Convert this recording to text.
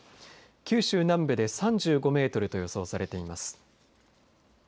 九州南部で３５メートルと予想されています。